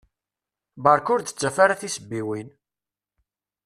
Berka ur d-ttaf ara tisebbiwin!